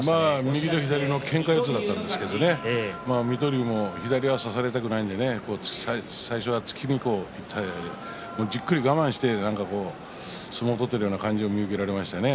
右と左のけんか四つだったんですが水戸龍も左は差されたくないので先に突きにいったのをじっくり我慢して相撲を取っているように見受けられましたね。